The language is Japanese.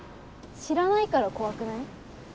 知らないから怖くない？